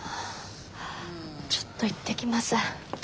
ちょっと行ってきます。